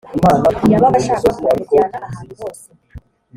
yabaga ashaka ko mujyana ahantu hose